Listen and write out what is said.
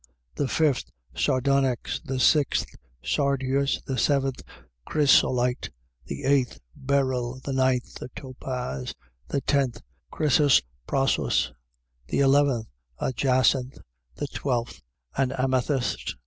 The fifth, sardonyx: the sixth, sardius: the seventh, chrysolite: the eighth, beryl: the ninth, a topaz: the tenth, a chrysoprasus: the eleventh, a jacinth: the twelfth, an amethyst.